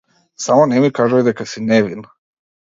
Само не ми кажувај дека си невин.